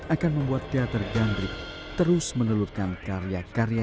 akan membuat teater gandrik terus menelurkan karya karya